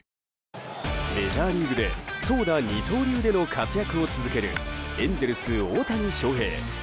メジャーリーグで投打二刀流での活躍を続けるエンゼルス、大谷翔平。